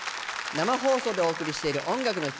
生放送でお送りしている「音楽の日」。